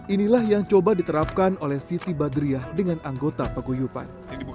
inilah yang coba diterapkan oleh siti badriah dengan anggota peguyupan